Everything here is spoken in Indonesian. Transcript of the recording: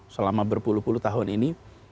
selama berpuluh puluh tahun ini